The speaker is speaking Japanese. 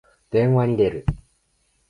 電話に出る。